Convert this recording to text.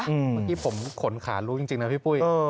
เมื่อกี้ผมขนขารู้จริงนะพี่ปุ้ย